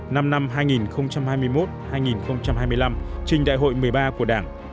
năm năm hai nghìn hai mươi một hai nghìn hai mươi năm trình đại hội một mươi ba của đảng